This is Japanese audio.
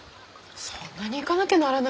そんなに行かなきゃならないのかい？